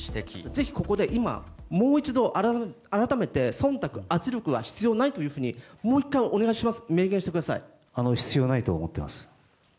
ぜひここで、今、もう一度改めて、そんたく、圧力は必要ないというふうに、もう一回、お願いします、明言し必要ないと思ってます。